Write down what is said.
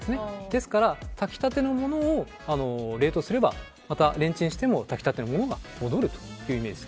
ですから炊きたてのものを冷凍すればまたレンチンしても炊き立てのものが戻るというイメージ。